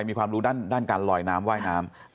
มีความรู้ด้านการลอยน้ำว่ายน้ำ